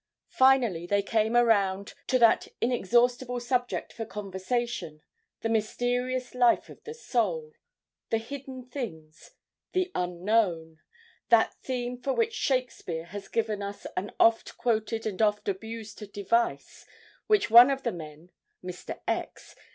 Finally they came around to that inexhaustible subject for conversation, the mysterious life of the soul, the hidden things, the Unknown, that theme for which Shakespeare has given us an oft quoted and oft abused device, which one of the men, Mr. X.